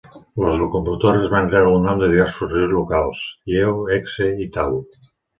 Les locomotores van rebre el nom de diversos rius locals: "Yeo", "Exe" i "Taw".